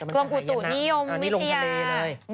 กรมอุตุนิยมวิทยาตอนนี้ลงทะเลเลย